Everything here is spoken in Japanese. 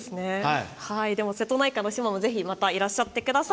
でも、瀬戸内海の島もぜひ、いらっしゃってください。